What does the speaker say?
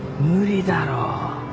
無理だろ。